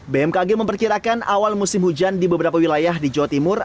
bmkg memperkirakan awal musim hujan di beberapa wilayah di jawa timur